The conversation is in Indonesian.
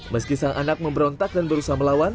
meski sang anak memberontak dan berusaha melawan